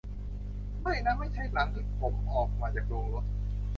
ไม่นะ ไม่ใช่หลังที่ผมออกมาจากโรงรถ